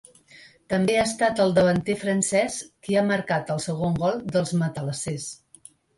També ha estat el davanter francès qui ha marcat el segon gol dels matalassers.